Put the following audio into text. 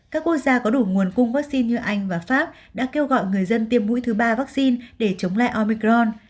các quốc gia có đủ nguồn cung vaccine như anh và pháp đã kêu gọi người dân tiêm mũi thứ ba vaccine để chống lại omicron